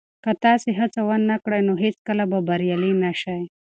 که تاسي هڅه ونه کړئ نو هیڅکله به بریالي نه شئ.